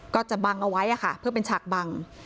ก็จะบังเอาไว้ค่ะเพื่อเป็นฉากบัง